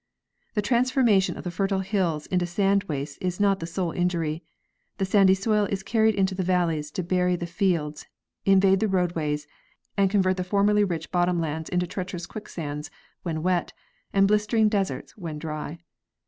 The transformation of the fertile hills into sand wastes is not the sole injury. The sandy soil is carried into the valleys to bury the fields, in vade the roadways, and convert the formerly rich bottom lands into treacherous quicksands when wet and blistering deserts when dry.